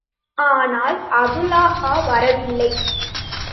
ஆனால், அபூலஹப் வரவில்லை.